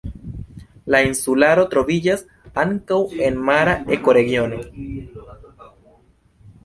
La insularo troviĝas ankaŭ en mara ekoregiono.